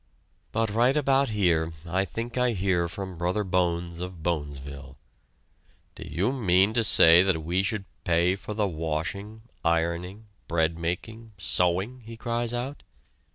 But right about here I think I hear from Brother Bones of Bonesville: "Do you mean to say that we should pay for the washing, ironing, bread making, sewing?" he cries out.